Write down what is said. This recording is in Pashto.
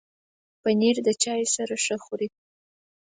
پنېر د چای سره ښه خوري.